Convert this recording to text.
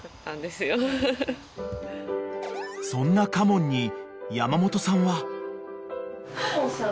［そんな嘉門に山本さんは］嘉門さん。